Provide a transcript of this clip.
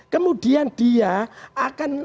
kemudian dia akan